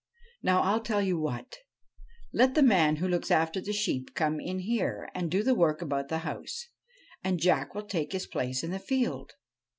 Now, I '11 tell you what : let the man who looks after the sheep come in here and do the work about the house, and Jack will take his place in the field.